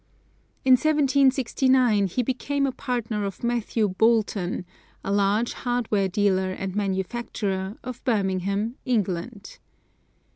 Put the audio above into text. In 1769 he became a partner of Mathew Boulton, a large hardware dealer and manufacturer, of Birmingham, England.